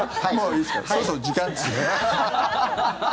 そろそろ時間ですね。